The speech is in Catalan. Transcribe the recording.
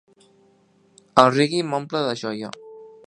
El reggae m'omple de joia.